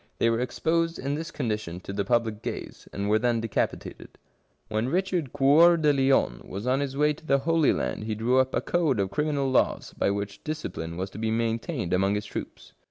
They were exposed in this condition to the public gaze, and were then decapitated. When Richard Cceur de Lion was on his way to the Holy Land he drew up a code of criminal laws by which discipline was to be maintained among his troops.